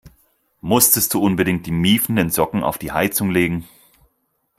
Musstest du unbedingt die miefenden Socken auf die Heizung legen?